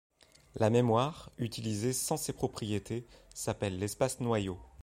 La mémoire, utilisée sans ces propriétés, s'appelle l'espace noyau.